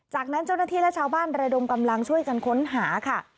จากนั้นเจ้าหน้าที่และชาวบ้านระดมกำลังช่วยกันค้นหาค่ะ